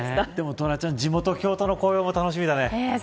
トラちゃん、地元京都の紅葉も楽しみだね。